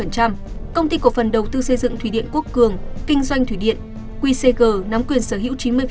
công ty cổ phần đầu tư xây dựng thủy điện quốc cường kinh doanh thủy điện qcg nắm quyền sở hữu chín mươi